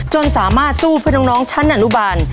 สามารถสู้เพื่อน้องชั้นอนุบาล